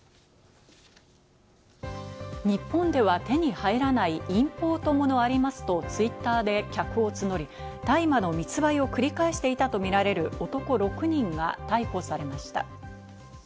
日本では手に入らないインポートものありますとツイッターで客を募り、大麻の密売を繰り返していたとみられる男６人が逮捕されました。